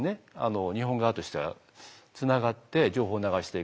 日本側としてはつながって情報を流していく。